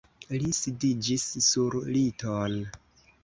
Li sidiĝis sur liton.